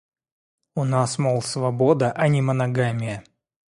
У нас, мол, свобода, а не моногамия.